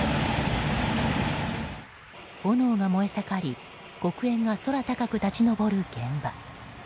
炎が燃え盛り黒煙が空高く立ち上る現場。